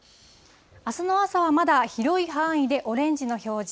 あすの朝はまだ、広い範囲でオレンジの表示。